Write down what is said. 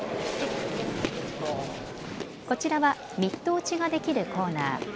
こちらはミット打ちができるコーナー。